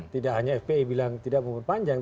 tidak hanya fpi bilang tidak memperpanjang